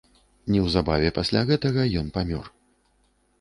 Неўзабаве пасля гэтага ён памёр.